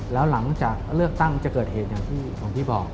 แล้วหลังจากเลือกตั้งจะเกิดเหตุอย่างที่หลวงพี่บอก